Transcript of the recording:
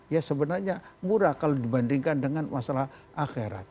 ya sebenarnya murah kalau dibandingkan dengan masalah akhirat